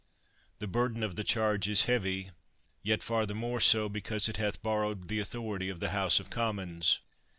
The burden of the charge is heavy, yet far the more so because it hath borrowed the authority of the House of Commons.